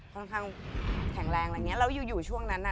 ค่อนข้างแข็งแรงแบบนี้แล้วอยู่ช่วงนั้นอ่ะ